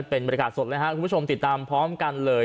เป็นบริการสดแล้วฮะคุณผู้ชมติดตามพร้อมกันเลย